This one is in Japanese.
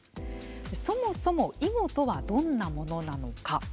そもそも囲碁とはどんなものなのか。